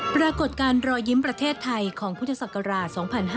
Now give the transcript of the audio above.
ปรากฏการณ์รอยยิ้มประเทศไทยของพุทธศักราช๒๕๕๙